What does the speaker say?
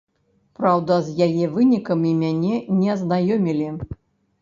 Праўда, з яе вынікамі мяне не азнаёмілі.